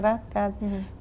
ya pengertian juga masyarakat